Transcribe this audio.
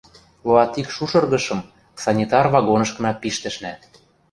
луатик шушыргышым санитар вагонышкына пиштӹшнӓ